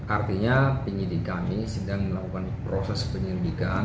artinya penyidik kami sedang melakukan proses penyelidikan